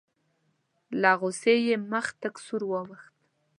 له غوسې یې مخ تک سور واوښت.